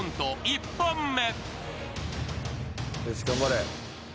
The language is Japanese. １本目］